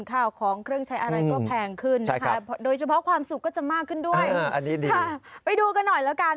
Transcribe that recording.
ข้าวของเครื่องใช้อะไรก็แพงขึ้นนะคะโดยเฉพาะความสุขก็จะมากขึ้นด้วยอันนี้ดีค่ะไปดูกันหน่อยแล้วกัน